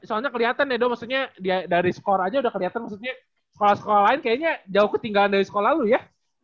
soalnya kelihatan deh dok maksudnya dari skor aja udah kelihatan maksudnya sekolah sekolah lain kayaknya jauh ketinggalan dari sekolah dulu ya